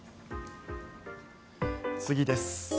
次です。